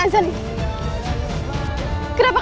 kau akan diserang kami